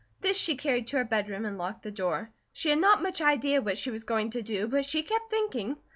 This she carried to her bedroom and locked the door. She had not much idea what she was going to do, but she kept thinking.